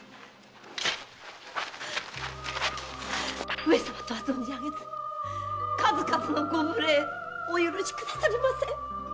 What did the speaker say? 上様とは存じあげず数々のご無礼お許しくださりませ！